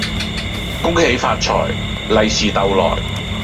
恭喜發財，利是逗來